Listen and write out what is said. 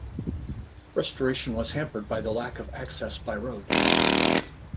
Restoration was hampered by the lack of access by road.